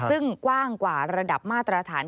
ซึ่งกว้างกว่าระดับมาตรฐาน